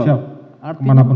siap kemana pun